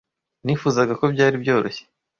Nifuzaga ko byari byoroshye.